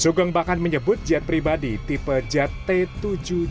sugeng bahkan menyebut jet pribadi ini terkait dengan kasus judi online